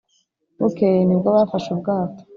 bukeye nibwo bafashe ubwato